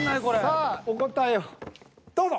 さあお答えをどうぞ。